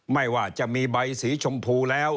ไม่ว่าจะมีใบสีชมพูแล้ว